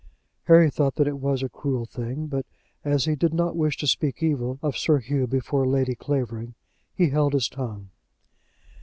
Harry thought that it was a cruel thing, but as he did not wish to speak evil of Sir Hugh before Lady Clavering, he held his tongue.